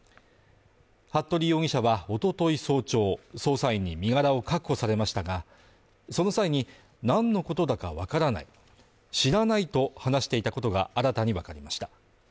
服部容疑者は、おととい早朝、捜査員に身柄を確保されましたが、その際に、何のことだかわからない知らないと話していたことが新たにわかりました。